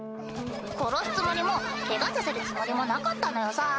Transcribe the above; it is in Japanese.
殺すつもりもケガさせるつもりもなかったのよさ。